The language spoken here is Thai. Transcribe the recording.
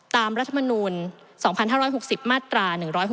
รัฐมนูล๒๕๖๐มาตรา๑๖๖